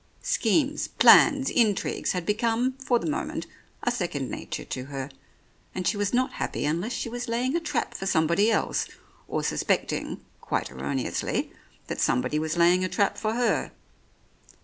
Schemes, plans, intrigues had become — for the mo ment — a second nature to her, and she was not happy unless she was laying a trap for somebody else, or suspecting (quite erroneously) that somebody was lay ing a trap for her.